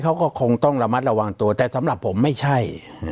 เขาก็คงต้องระมัดระวังตัวแต่สำหรับผมไม่ใช่